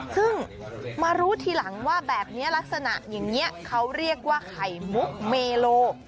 ซึ่งมารู้ทีหลังว่าแบบนี้ลักษณะอย่างนี้เขาเรียกว่าไข่มุกเมโล